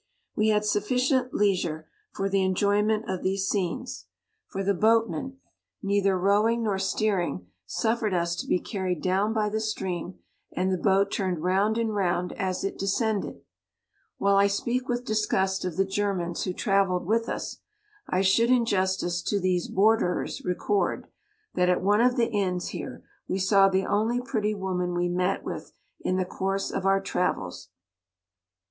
We had sufficient leisure for the en T joyment of these scenes, for the boat ' 70 men, neither rowing nor steering, suf fered us to be carried down by the stream, and the boat turned round and round as it descended. While I speak with disgust of the Germans who travelled with us, I should in justice to these borderers record, that at one of the inns here we saw the only pretty woman we met with in the course of our travels.